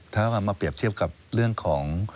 ถ้ามาเปรียบเทียบกับเรื่องของ